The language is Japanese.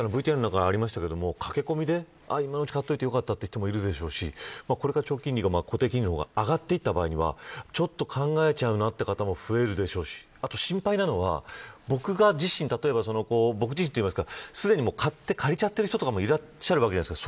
駆け込みで今のうちに買っておいてよかったという人もいるでしょうしこれから固定金利が上がった場合にはちょっと考えちゃうなという方も増えるでしょうし心配なのは、僕自身というかすでに買って借りちゃってる人もいらっしゃるわけじゃないですか。